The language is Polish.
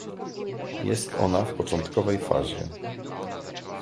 Jest ona w początkowej fazie